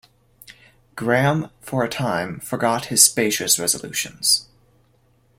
Graham for a time forgot his spacious resolutions.